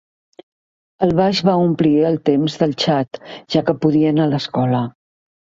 El baix va omplir el temps del Chad ja que podia anar a l'escola.